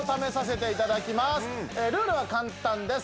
ルールは簡単です。